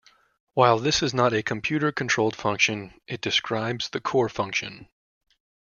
While this is not a computer controlled function, it describes the core function.